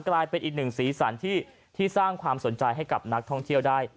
กลายเป็นอีกหนึ่งสีสันที่สร้างความสนใจให้กับนักท่องเที่ยวได้